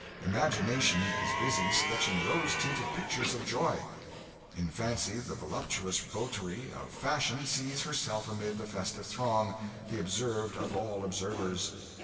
Imagination is busy sketching rose tinted pictures of joy. In fancy, the voluptuous votary of fashion sees herself amid the festive throng, 'the observed of all observers.